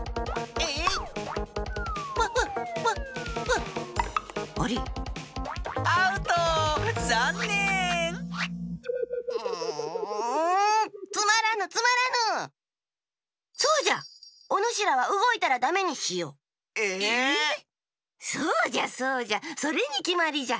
え⁉そうじゃそうじゃそれにきまりじゃ。